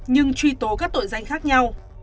nhưng truy tố các tội danh khác nhau